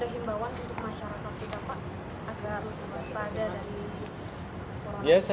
mungkin ada himbawan untuk masyarakat kita pak agar lebih bersepada dan